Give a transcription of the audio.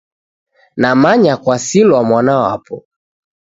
Namanya kwasilwa mwana wapo.